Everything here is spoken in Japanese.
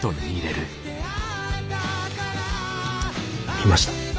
見ました？